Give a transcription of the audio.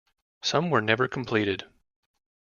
Some were never completed.